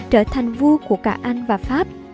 trở thành vua của cả anh và pháp